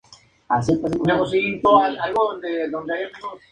Eventos religiosos: Misa, Novenario, Procesiones, Mañanitas, Rosario, Danza.